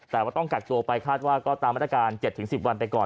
แต่ว่าต้องกักตัวไปคาดว่าก็ตามมาตรการ๗๑๐วันไปก่อน